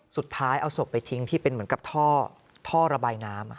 สุดท้ายเอาศพไปทิ้งที่เป็นเหมือนกับท่อระบายน้ำ